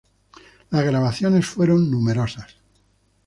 Las grabaciones fueron numerosas.